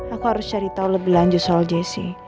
aku harus cari tahu lebih lanjut soal jesse